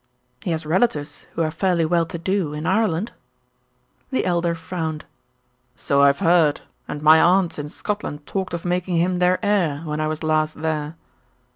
"He has relatives who are fairly well to do in Ireland." The Elder frowned. "So I've heard, and my aunts in Scotland talked of making him their heir, when I was last there."